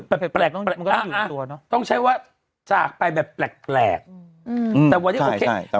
แปลกเนอะต้องใช้ว่าจากไปแบบแปลกแต่วันนี้โอเค